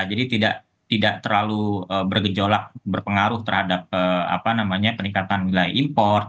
jadi tidak terlalu bergejolak berpengaruh terhadap peningkatan nilai import